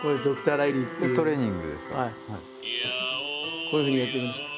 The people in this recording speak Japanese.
こういうふうにやってるんです。